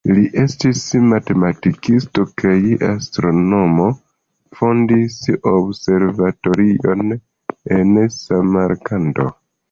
Li estis matematikisto kaj astronomo, fondis observatorion en Samarkando.